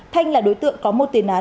thanh là đối tượng có một tiền án